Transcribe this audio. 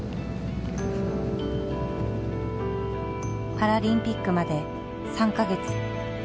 パラリンピックまで３か月。